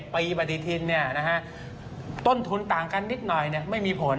๗ปีปฏิทินเนี่ยนะฮะต้นทุนต่างกันนิดหน่อยเนี่ยไม่มีผล